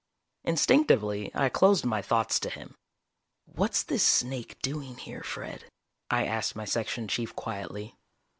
Instinctively I closed my thoughts to him. "What's this snake doing here, Fred?" I asked my Section Chief quietly.